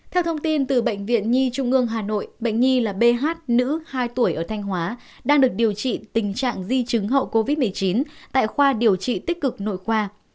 theo thông tin từ bệnh viện nhi trung ương hà nội bệnh nhi là b nữ hai tuổi ở thanh hóa đang được điều trị tình trạng di chứng hậu covid một mươi chín tại khoa điều trị tích cực nội khoa